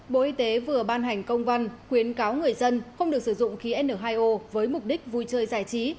bộ y tế vừa ban hành công văn khuyến cáo người dân không được sử dụng khí n hai o với mục đích vui chơi giải trí